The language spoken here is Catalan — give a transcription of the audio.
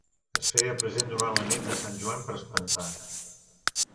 Es feia present durant la nit de Sant Joan per espantar.